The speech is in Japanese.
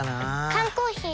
缶コーヒー